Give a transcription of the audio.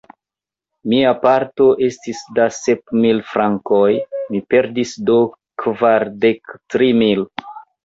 Mia parto estis da sep mil frankoj; mi perdis do kvardek tri mil.